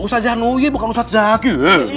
ustadz zahnuyuh bukan ustadz zaki